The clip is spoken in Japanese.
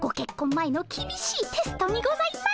前のきびしいテストにございます。